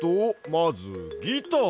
まず「ギター」。